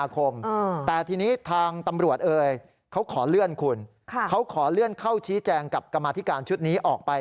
เขาขอเลื่อนเข้าชี้แจงกับกรมาธิการชุดนี้ออกไป